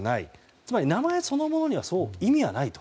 つまり名前そのものには意味はないと。